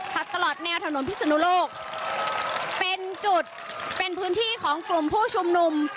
ตลอดแนวถนนพิศนุโลกเป็นจุดเป็นพื้นที่ของกลุ่มผู้ชุมนุม